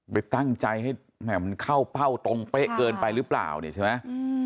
ไปตั้งใจให้แหม่มันเข้าเป้าตรงเป๊ะเกินไปหรือเปล่าเนี่ยใช่ไหม